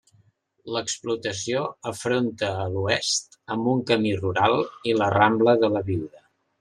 L'explotació afronta a l'oest amb un camí rural i la rambla de la Viuda.